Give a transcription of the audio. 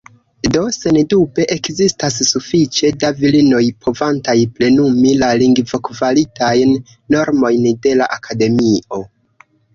Do, sendube ekzistas ”sufiĉe da virinoj” povantaj plenumi la lingvokvalitajn normojn de la Akademio.